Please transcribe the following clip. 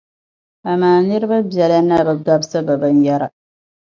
Amaa niriba biɛla na bi gabisi be binyɛra.